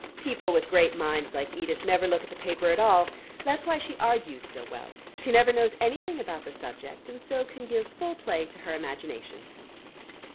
People with great minds like Edith never look at the paper at all. That's why she argues so well: she never knows anything about the subject, and so can give full play to her imagination."